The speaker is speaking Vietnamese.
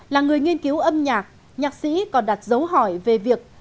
là người nghiên cứu âm nhạc nhạc sĩ còn đặt dấu hỏi về việc